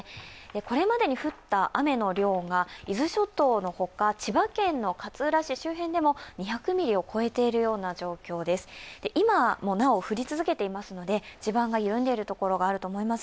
これまでに降った雨の量が伊豆諸島のほか千葉県の勝浦市周辺でも２００ミリを超えているような状況です。